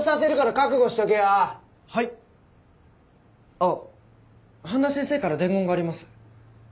あっ半田先生から伝言があります。